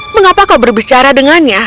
mengapa kau berbicara dengannya